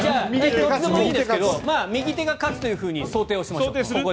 どっちでもいいんですけど右手が勝つというふうにここでは想定しましょうか。